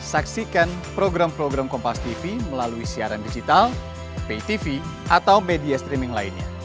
saksikan program program kompastv melalui siaran digital paytv atau media streaming lainnya